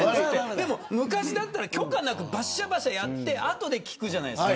でも、昔だったら許可なくバシャバシャやって後で聞くじゃないですか。